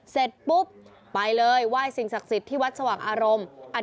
เสร็จปุ๊บไปเลยไหว้สิ่งศักดิ์สิทธิ์ที่วัดสว่างอารมณ์